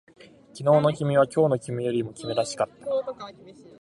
昨日の君は今日の君よりも君らしかった